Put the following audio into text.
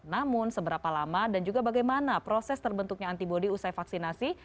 namun seberapa lama dan juga bagaimana proses terbentuknya antibody usai vaksinasi